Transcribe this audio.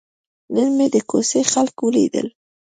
نن مې د کوڅې خلک ولیدل.